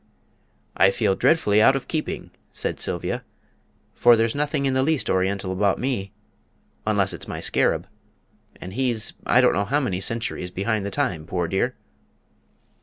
"I feel dreadfully out of keeping!" said Sylvia, "for there's nothing in the least Oriental about me unless it's my scarab and he's I don't know how many centuries behind the time, poor dear!"